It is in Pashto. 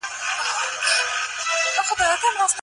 باسواده ټولنه تل پياوړی او غښتلی سياسي نظام منځته راوړي.